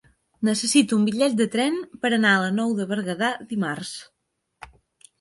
Necessito un bitllet de tren per anar a la Nou de Berguedà dimarts.